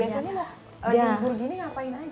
biasanya lah nyumbur gini ngapain